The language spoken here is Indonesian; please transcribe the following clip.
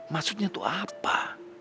maksudnya tuh apa